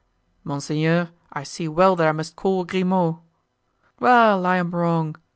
"Monseigneur, I see well that I must call Grimaud." "Well, I am wrong.